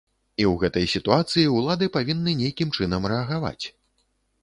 І ў гэтай сітуацыі ўлады павінны нейкім чынам рэагаваць.